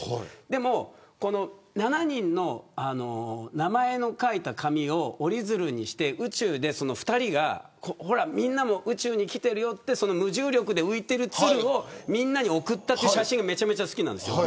でも７人の名前を書いた紙を折り鶴にして宇宙で、その２人がみんなも宇宙に来ているよと無重力で浮いている鶴をみんなに送ったって写真がめちゃめちゃ好きなんですよ。